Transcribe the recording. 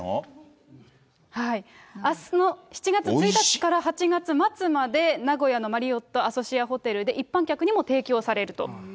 あすの７月１日から８月末まで、名古屋のマリオットアソシアホテルで、一般客にも提供されると。